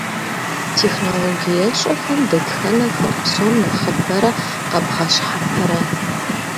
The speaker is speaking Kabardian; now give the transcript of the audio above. Технологиещӏэхэм дэтхэнэхэр псом нэхъыбэрэ къэбгъэщхьэпэрэ?